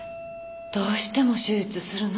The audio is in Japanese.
どうしても手術するの？